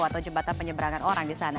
atau jembatan penyeberangan orang di sana